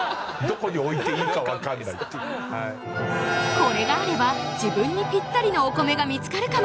これがあれば自分にピッタリのお米が見つかるかも！